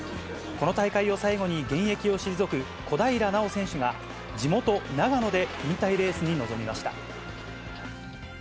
この大会を最後に現役を退く小平奈緒選手が、地元、長野で引退レースに臨みました。